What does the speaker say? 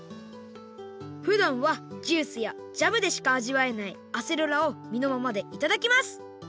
ふだんはジュースやジャムでしかあじわえないアセロラをみのままでいただきます！